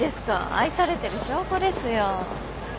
愛されてる証拠ですよ。